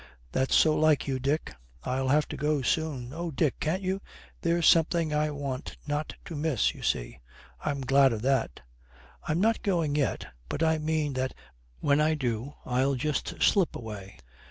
'That's so like you, Dick!' 'I'll have to go soon.' 'Oh, Dick! Can't you ' 'There's something I want not to miss, you see.' 'I'm glad of that.' 'I'm not going yet; but I mean that when I do I'll just slip away.'